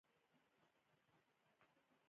په کوربه هېواد کې نوې کمپني پرانیزي.